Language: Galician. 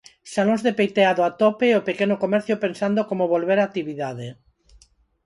Salóns de peiteado a tope e o pequeno comercio pensando como volver á actividade.